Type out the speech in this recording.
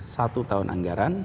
satu tahun anggaran